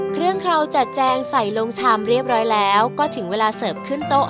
คราวจัดแจงใส่ลงชามเรียบร้อยแล้วก็ถึงเวลาเสิร์ฟขึ้นโต๊ะ